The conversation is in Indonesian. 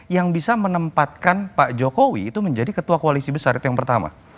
yang bisa menempatkan pak jokowi itu menjadi ketua koalisi besar itu yang pertama